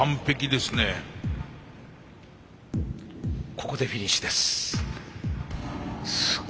ここでフィニッシュです。